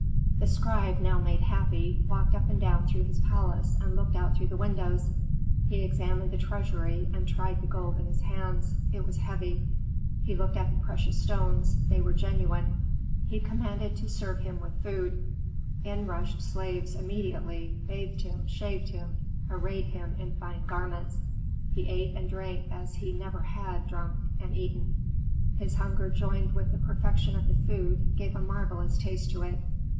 "The scribe, now made happy, walked up and down through his palace and looked out through the windows. He examined the treasury and tried the gold in his hands; it was heavy. He looked at the precious stones; they were genuine. He commanded to serve him with food; in rushed slaves immediately, bathed him, shaved him, arrayed him in fine garments. He ate and drank as he never had drunk and eaten; his hunger joined with the perfection of the food gave a marvellous taste to it.